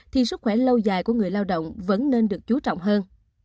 thì sức khỏe lâu dài của người lao động vẫn nên được chú trọng hơn